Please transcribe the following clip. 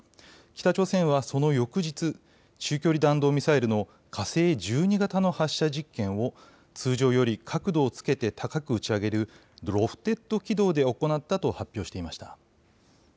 北朝鮮はその翌日、中距離弾道ミサイルの火星１２型の発射実験を通常より角度をつけて高く打ち上げるロフテッド軌道で行ったと発表していました。